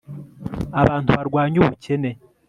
abantu barwanye ubukene